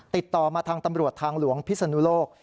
ติดต่อมาทางตำรวจทางหลวงพิศนุโลก